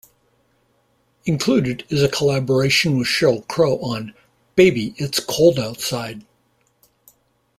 Included is a collaboration with Sheryl Crow on "Baby, It's Cold Outside".